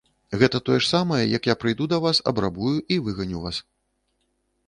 Гэта тое ж самае, як я прыйду да вас, абрабую і выганю вас.